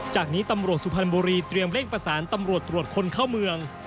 จากนี้ตำรวจสุพรรณบุรีเตรียมเร่งประสานตำรวจตรวจคนเข้าเมือง